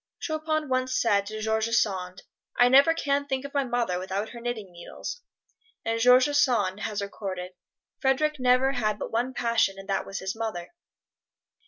Chopin once said to George Sand, "I never can think of my mother without her knitting needles!" And George Sand has recorded, "Frederic never had but one passion and that was his mother."